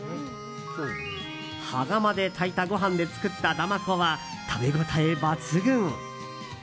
羽釜で炊いたご飯で作っただまこは食べ応え抜群。